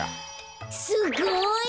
すごい。